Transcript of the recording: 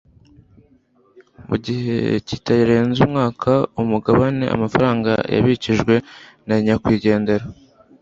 mu gihe kitarenze umwaka, umugabane, amafaranga yabikijwe na nyakwigendera